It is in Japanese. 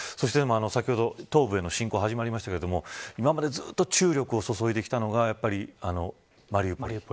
先ほど東部の侵攻が始まりましたが今までずっと注力してきたのがマリウポリ。